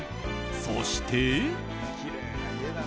そして。